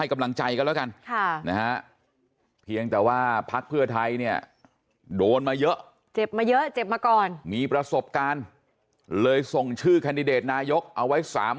มันเป็นไปไม่ได้อยู่แล้ว